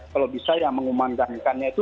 kalau bisa yang mengumandangkannya itu